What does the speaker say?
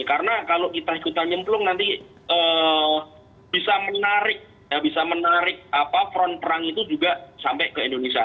karena kalau kita ikutan nyemplung nanti bisa menarik front perang itu juga sampai ke indonesia